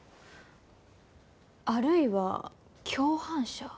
あるいは共犯者？